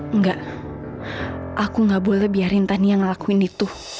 enggak aku gak boleh biarin tania ngelakuin itu